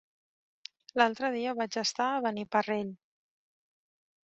L'altre dia vaig estar a Beniparrell.